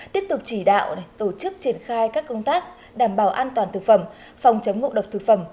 tiếp tục chỉ đạo tổ chức triển khai các công tác đảm bảo an toàn thực phẩm phòng chống ngộ độc thực phẩm